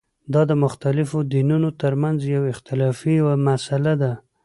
دا د مختلفو دینونو ترمنځه یوه اختلافي مسله ده.